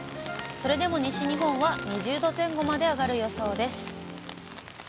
それでも西日本は２０度前後まで上がる予想です。